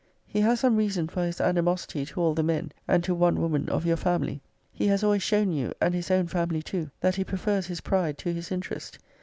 >>> He has some reason for his animosity to all the men, and to one woman of your family. He has always shown you, and his own family too, that he >>> prefers his pride to his interest.